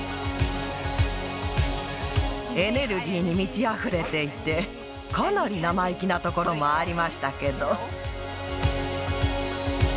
エネルギーに満ちあふれてかなり生意気なところもありましたけど。